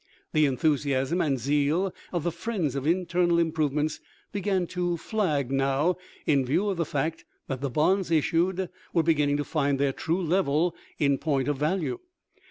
The enthusiasm and zeal of the friends of internal im provements began to flag now in view of the fact that the bonds issued were beginning to find their true level in point of value.